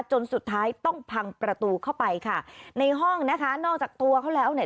จนสุดท้ายต้องพังประตูเข้าไปค่ะในห้องนะคะนอกจากตัวเขาแล้วเนี่ย